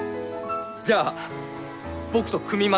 じゃあ僕と組みませんか？